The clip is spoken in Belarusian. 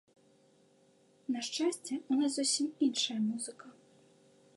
На шчасце, у нас зусім іншая музыка.